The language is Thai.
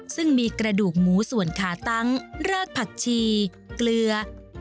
ซึ่งมีกระดูกหมูส่วนขาตั้งรากผักชีเกลือ